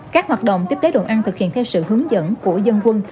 các hoạt động tiếp tế đồ ăn thực hiện theo sự hướng dẫn của dân quân